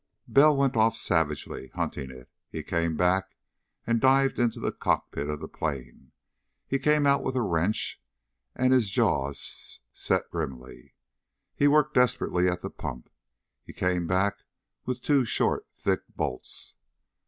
Bell went off savagely, hunting it. He came back and dived into the cockpit of the plane. He came out with a wrench, and his jaws set grimly. He worked desperately at the pump. He came back with two short, thick bolts.